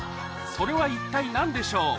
それは一体何でしょう？